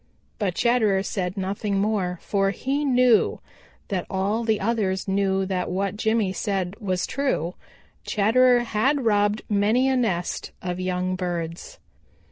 But Chatterer said nothing more, for he knew that all the others knew that what Jimmy said was true: Chatterer had robbed many a nest of young birds.